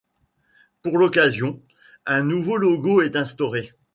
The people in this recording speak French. Pour l'occasion, un nouveau logo est instauré.